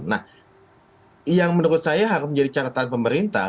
nah yang menurut saya harus menjadi catatan pemerintah